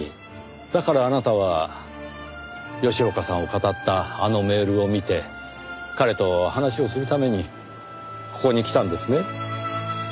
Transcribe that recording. だからあなたは吉岡さんを騙ったあのメールを見て彼と話をするためにここに来たんですね。